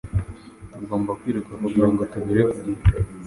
Tugomba kwiruka kugirango tugere ku gihe. .